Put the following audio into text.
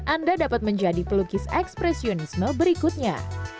anda dapat menjadi pelukis ekspresionisme berikutnya